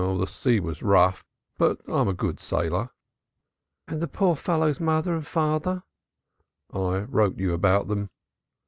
"The sea was rough, but I'm a good sailor." "And the poor fellow's father and mother?" "I wrote you about them."